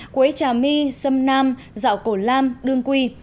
quế trà my sâm nam dạo cổ lam đương quy